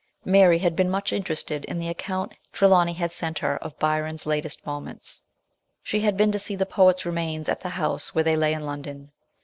Mary had been much interested in the account Trelawny had sent her of Byron's latest moments. She had been to see the poet's remains at 12 178 MRS. SHELLEY. the house where they lay in London.